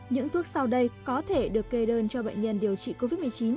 những thuốc sau đây có thể được kê đơn cho bệnh nhân điều trị covid một mươi chín